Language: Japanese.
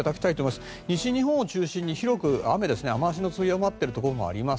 西日本を中心に広く雨で、雨脚の強まっているところもあります。